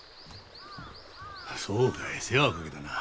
そうかい世話をかけたな。